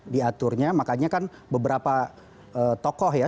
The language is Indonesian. diaturnya makanya kan beberapa tokoh ya